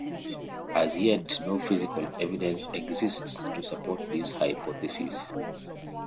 As yet, no physical evidence exists to support this hypothesis.